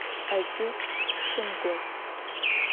Aziz şım got.